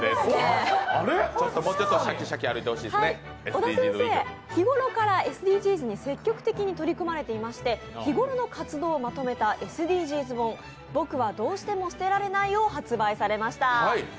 小田先生、日頃からＳＤＧｓに積極的に取り組まれていまして日頃の活動をまとめたＳＤＧｓ本「僕はどうしても捨てられない」を発売されました。